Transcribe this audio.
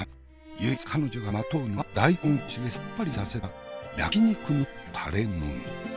唯一彼女がまとうのは大根おろしでさっぱりさせた焼き肉のタレのみ。